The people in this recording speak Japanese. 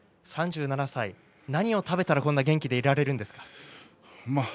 ３７歳、何を食べたらこんなに元気でいられるんですか。